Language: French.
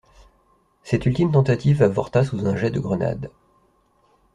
Cette ultime tentative avorta sous un jet de grenades.